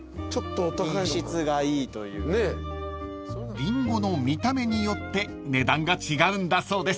［リンゴの見た目によって値段が違うんだそうです］